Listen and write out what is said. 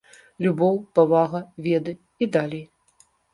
Любоў, павага, веды і далей.